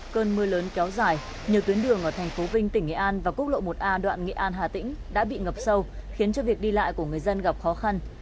cơn mưa lớn kéo dài nhiều tuyến đường ở thành phố vinh tỉnh nghệ an và quốc lộ một a đoạn nghệ an hà tĩnh đã bị ngập sâu khiến cho việc đi lại của người dân gặp khó khăn